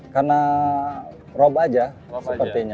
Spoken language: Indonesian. karena rob aja sepertinya